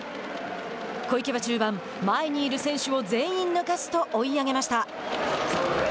小池は中盤前にいる選手を全員抜かすと追い上げました。